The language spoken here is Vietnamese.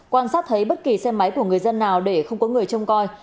quan sát thấy bất kỳ xe máy của người dân nào để không có người trông coi